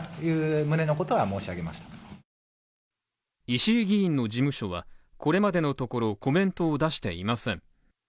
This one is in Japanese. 石井議員の事務所はこれまでのところコメントを出していません。